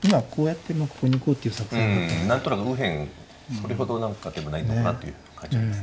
それほど何かでもないのかなという感じあります。